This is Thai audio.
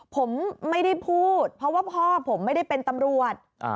ผมไม่ได้พูดเพราะว่าพ่อผมไม่ได้เป็นตำรวจ